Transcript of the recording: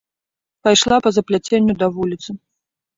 Пайшла па-за пляценню да вуліцы.